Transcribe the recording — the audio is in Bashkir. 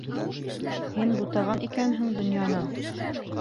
Һин бутаған икәнһең донъяны!